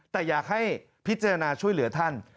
แต่อยากให้พิจารณาช่วยเหลือท่าน